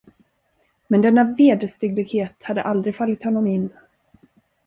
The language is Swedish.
Men denna vederstygglighet hade aldrig fallit honom in.